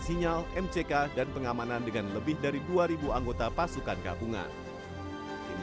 penguatan sinyal mck dan pengamanan dengan lebih dari dua anggota pasukan gabungan